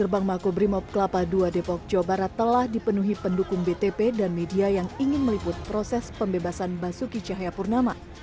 gerbang makobrimob kelapa ii depok jawa barat telah dipenuhi pendukung btp dan media yang ingin meliput proses pembebasan basuki cahayapurnama